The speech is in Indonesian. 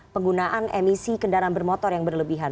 penggunaan emisi kendaraan bermotor yang berlebihan